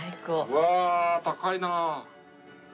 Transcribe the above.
うわ高いなあ。